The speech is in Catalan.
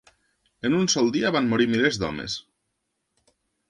En un sol dia van morir milers d'homes